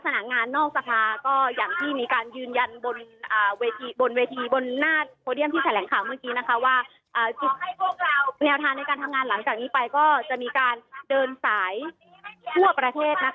หรืออดีตกรรมการบริหารภักดิ์คนสำคัญที่เคยขับเคลื่อน